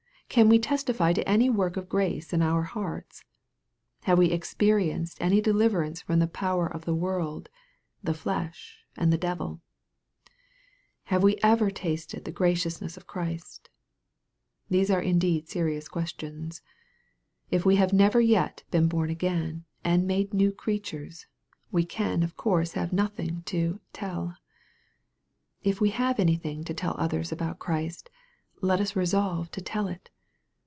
Can we testify to any work of grace in our hearts ? Have we experienced any deliverance from the power of the world, the flesh, and the devil ? Have we ever tasted the gra ciousness of Christ ? These are indeed serious questions. If we have never yet been born again, and made new creatures, we can of course have nothing to " tell." If we have anything to tell others about Christ, let us resolve to tell it.